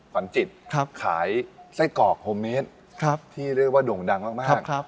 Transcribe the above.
ขวัญจิตครับขายไส้กอกโฮเมสครับที่เรียกว่าด่งดังมากมากครับ